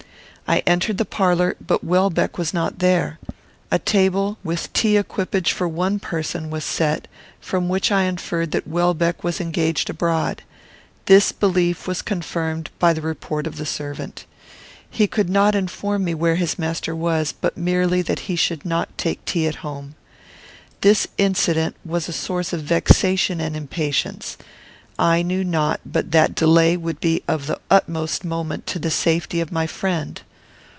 I entered the parlour; but Welbeck was not there. A table, with tea equipage for one person, was set; from which I inferred that Welbeck was engaged abroad. This belief was confirmed by the report of the servant. He could not inform me where his master was, but merely that he should not take tea at home. This incident was a source of vexation and impatience. I knew not but that delay would be of the utmost moment to the safety of my friend.